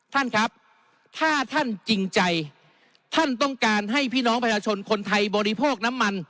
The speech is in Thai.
ท่านครับถ้าท่านจริงใจท่านต้องการให้พี่น้องประชาชนคนไทยบริโภคน้ำมัน